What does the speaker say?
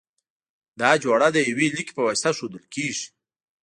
دا جوړه د یوه لیکي په واسطه ښودل کیږی.